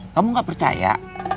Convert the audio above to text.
kamu nggak percaya